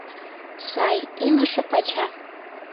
Сай, ӱҥышӧ пача!